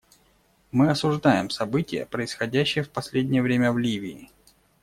Мы осуждаем события, происходящие в последнее время в Ливии.